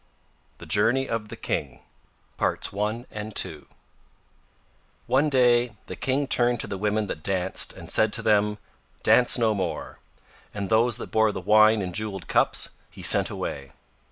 THE JOURNEY OF THE KING I One day the King turned to the women that danced and said to them: "Dance no more," and those that bore the wine in jewelled cups he sent away.